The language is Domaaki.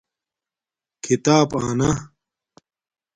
کھیتاپ آنا